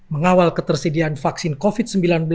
mengawal ketersediaan vaksin covid sembilan belas